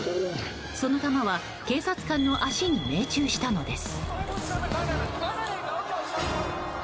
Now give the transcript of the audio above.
その弾は警察官の足に命中したのです。